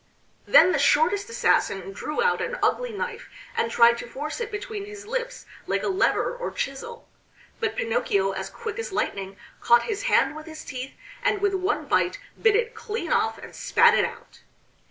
Then the shortest assassin drew out an ugly knife and tried to force it between his lips like a lever or chisel. But Pinocchio as quick as lightning caught his hand with his teeth, and with one bite bit it clean off and spat it out.